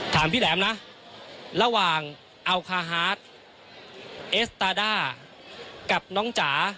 ถามพี่แหลมนะระหว่างอัลคาฮาร์ดเอสตาด้ากับน้องจ๋า